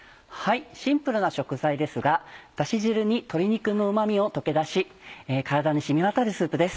シンプルな食材ですがダシ汁に鶏肉のうま味を溶け出し体に染み渡るスープです。